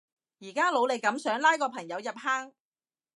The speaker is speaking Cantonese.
而家努力噉想拉個朋友入坑